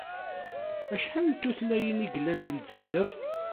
Acḥal n tutlayin i yellan di Lezzayer?